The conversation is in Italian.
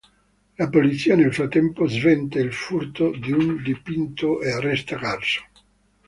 La polizia, nel frattempo, sventa il furto di un dipinto e arresta Garson.